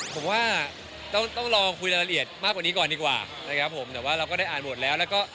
ผมว่าต้องต้องรอคุยรายละเอียดมากกว่านี้ก่อนดีกว่านะครับผมแต่ว่าเราก็ได้อ่านบทแล้วแล้วก็